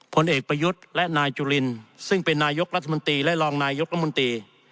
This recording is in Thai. ผลเอกประยุทธ์และนายจุลินซึ่งเป็นนายกรัฐมนตรีและรองนายยกรัฐมนตรี